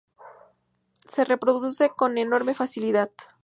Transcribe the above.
Se reproduce con enorme facilidad.